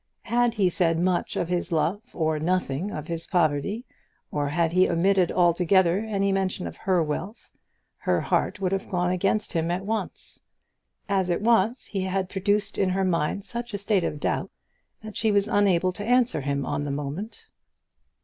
Had he said much of his love, or nothing of his poverty; or had he omitted altogether any mention of her wealth, her heart would have gone against him at once. As it was he had produced in her mind such a state of doubt, that she was unable to answer him on the moment.